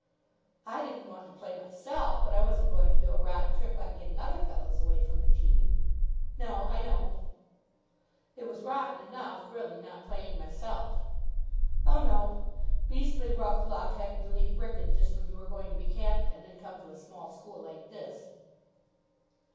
"I didn't want to play myself, but I wasn't going to do a rotten trick like getting other fellows away from the team." "No, I know." "It was rotten enough, really, not playing myself." "Oh, no. Beastly rough luck having to leave Wrykyn just when you were going to be captain, and come to a small school like this."